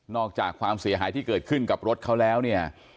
อกจากความเสียหายที่เกิดขึ้นกับรถเขาแล้วเนี่ย